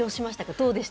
どうでした？